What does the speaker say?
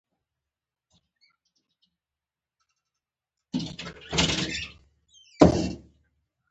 هغه دومره تر فشار لاندې راغلې وه.